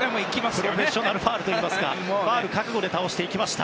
プロフェッショナルファウルというかファウル覚悟で倒していきました。